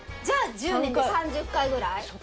じゃあ１０年で３０回ぐらい？